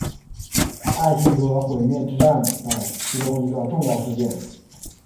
艾辛格毁灭之战的其中一个重要事件。